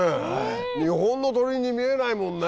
日本の鳥に見えないもんね。